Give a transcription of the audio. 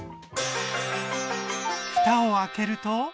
ふたを開けると？